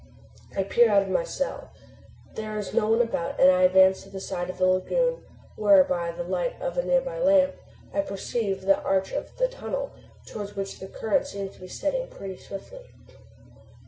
I peer out of my cell. There is no one about, and I advance to the side of the lagoon, where by the light of a nearby lamp, I perceive the arch of the tunnel, towards which the current seems to be setting pretty swiftly.